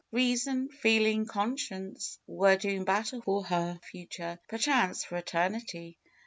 Reason, feeling, conscience, were doing battle for her future; perchance for eternity.